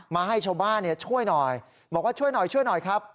มาให้ชาวบ้านช่วยหน่อยบอกว่าช่วยหน่อยช่วยหน่อยครับ